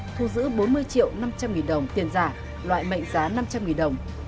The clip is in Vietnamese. thu giữ bốn mươi triệu năm trăm linh nghìn đồng tiền giả loại mệnh giá năm trăm linh nghìn đồng